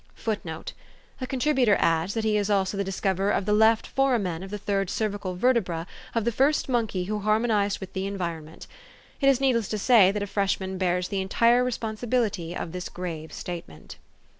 FOOTNOTE. A contributor adds, that he is also the dis coverer of the left foramen of the third cervical vertebra of the first monkey who harmonized with the environment. It is needless to say that a Freshman bears the entire re sponsibility of this grave statement.